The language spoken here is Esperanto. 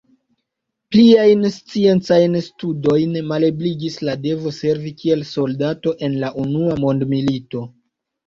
Pliajn sciencajn studojn malebligis la devo servi kiel soldato en la unua mondmilito.